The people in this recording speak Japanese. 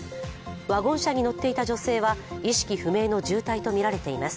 ワゴン車に乗っていた女性は意識不明の重体とみられています。